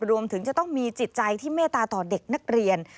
รวมถึงจะต้องมีจิตใจที่เมตตาต่อเด็กนักเรียน